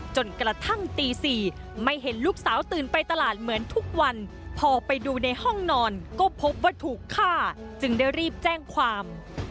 จนกระทั่งตี๔ไม่เห็นลูกสาวตื่นไปตลาดเหมือนทุกวันพอไปดูในห้องนอนก็พบว่าถูกฆ่าจึงได้รีบแจ้งความ